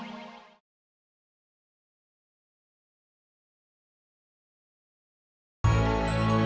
sampai jumpa di tv